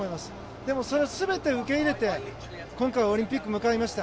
でもそれを全て受け入れて今回、オリンピックを迎えました。